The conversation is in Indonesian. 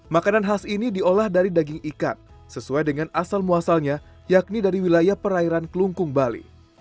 makanan khas ini diolah dari daging ikan sesuai dengan asal muasalnya yakni dari wilayah perairan kelungkung bali